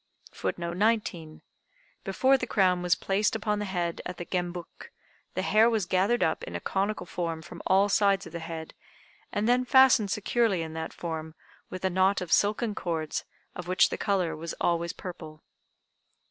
] [Footnote 19: Before the crown was placed upon the head at the Gembuk, the hair was gathered up in a conical form from all sides of the head, and then fastened securely in that form with a knot of silken cords of which the color was always purple.